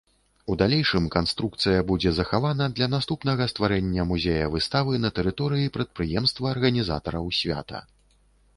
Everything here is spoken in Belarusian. У далейшым канструкцыя будзе захавана для наступнага стварэння музея-выставы на тэрыторыі прадпрыемства арганізатараў свята.